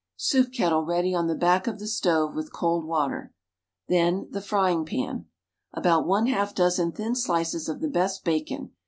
Soup kettle ready on the back of the stove with cold water. Then, the frying pan — About one half dozen thin slices of the best bacon.